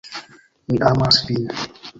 Mi amas vin!